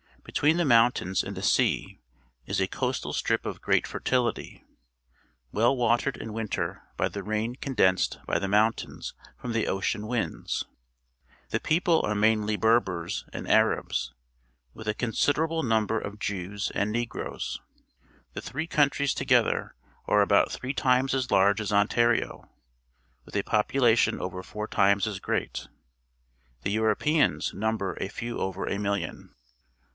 Between the inountains and the sea is a coastal strip of great fertility, well watered in winter by the rain condensed by the mountains from the ocean winds. The people are mainly Bci bcrs and Arabs, with a consideral)Ie number of Jcios and Negroes. The three countries together are about three times as large as Ontario, with a population over four times as great. The Europeans number a few over a million.